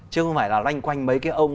chứ không phải là loanh quanh mấy cái ông